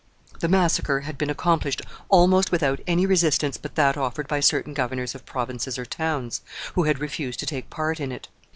The massacre had been accomplished almost without any resistance but that offered by certain governors of provinces or towns, who had refused to take part in it.